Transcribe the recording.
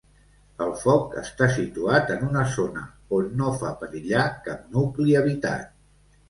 El foc està situat en una zona on no fa perillar cap nucli habitat.